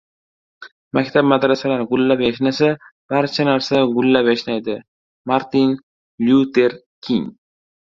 Maktab-madrasalar gullab-yashnasa, barcha narsa gullab-yashnaydi. Martin Lyuter King